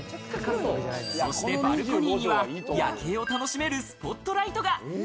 そしてバルコニーには夜景を楽しめるスポットライトが。